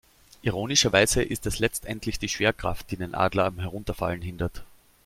Ironischerweise ist es letztendlich die Schwerkraft, die den Adler am Herunterfallen hindert.